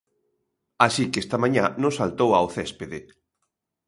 Así que esta mañá non saltou ao céspede.